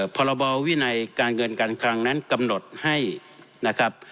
พรบวินัยการเงินการคลังนั้นกำหนดให้นะครับ